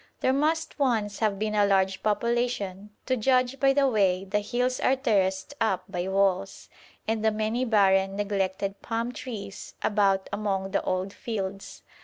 There must once have been a large population, to judge by the way the hills are terraced up by walls, and the many barren, neglected palm trees about among the old fields.